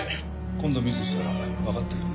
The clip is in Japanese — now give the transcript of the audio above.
今度ミスしたらわかってるね？